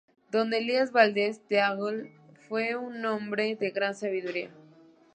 Don Elías Valdes Tagle, fue un hombre de gran sabiduría.